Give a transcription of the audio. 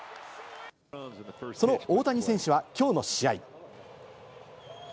その大谷選手はきょうの試合。